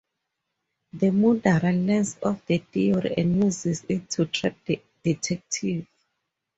The murderer learns of the theory and uses it to trap the detective.